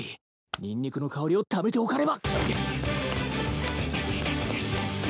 ニンニクの香りをためておかねば！